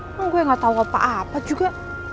emang gue gak tau apa apa juga